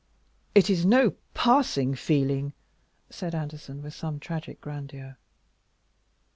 "It is no passing feeling," said Anderson, with some tragic grandeur.